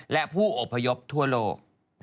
และผู้อพยพทั่วโลก